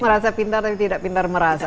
merasa pintar tapi tidak pintar merasa